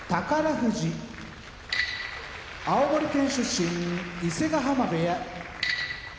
富士青森県出身伊勢ヶ濱部屋隠岐の海